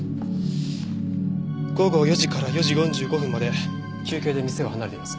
午後４時から４時４５分まで休憩で店を離れています。